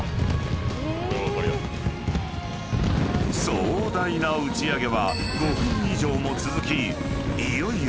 ［壮大な打ち上げは５分以上も続きいよいよ］